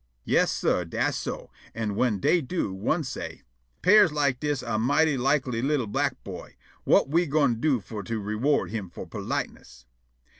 Yas, sah, dass so. An' whin dey do so, one say': "'Pears like dis a mighty likely li'l' black boy. Whut we gwine do fo' to _re_ward him fo' politeness?"